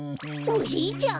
おじいちゃん？